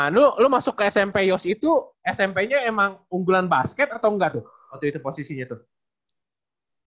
nah lu masuk ke smp yos itu smp nya emang unggulan basket atau nggak tuh waktu itu posisinya tuh